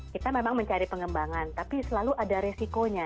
kita memang mencari pengembangan tapi selalu ada resikonya